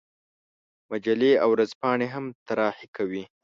مجلې او ورځپاڼې هم طراحي کوي.